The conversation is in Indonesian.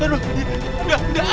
aduh ya ya